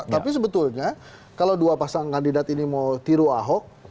tapi sebetulnya kalau dua pasang kandidat ini mau tiru ahok